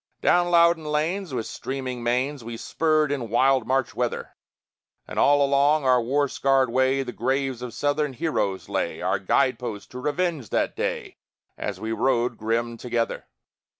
Down Loudon Lanes, with streaming manes, We spurred in wild March weather; And all along our war scarred way The graves of Southern heroes lay, Our guide posts to revenge that day, As we rode grim together.